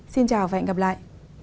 xin chào và hẹn gặp lại